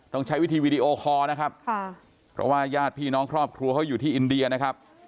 ต้องใช้วิธีวีดีโอคอร์นะครับค่ะเพราะว่าญาติพี่น้องครอบครัวเขาอยู่ที่อินเดียนะครับ